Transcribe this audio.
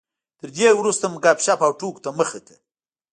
تر دې وروسته مو ګپ شپ او ټوکو ته مخه کړه.